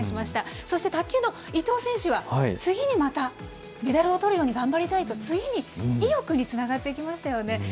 そして卓球の伊藤選手は、次にまたメダルをとるように頑張りたいと、次に意欲につながっていきましたよね。